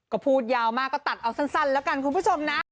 ก็พูดยาวมากก็ตัดเอาสั้นแล้วกันคุณผู้ชมนะ